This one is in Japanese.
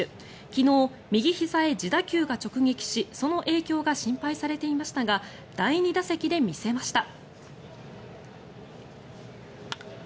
昨日、右ひざへ自打球が直撃しその影響が心配されていましたが第２打席で見せました。